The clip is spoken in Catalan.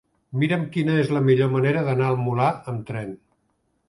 Mira'm quina és la millor manera d'anar al Molar amb tren.